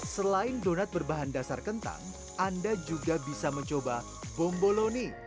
selain donat berbahan dasar kentang anda juga bisa mencoba bomboloni